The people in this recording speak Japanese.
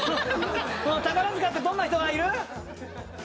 宝塚ってどんな人がいる？